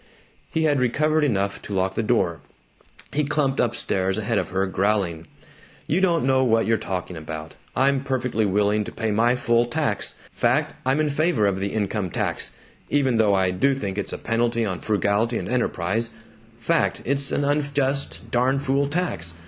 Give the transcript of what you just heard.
He had recovered enough to lock the door; he clumped up stairs ahead of her, growling, "You don't know what you're talking about. I'm perfectly willing to pay my full tax fact, I'm in favor of the income tax even though I do think it's a penalty on frugality and enterprise fact, it's an unjust, darn fool tax.